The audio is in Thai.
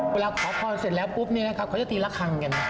เวลาขอพรเสร็จแล้วปุ๊บเขาจะตีละครังกัน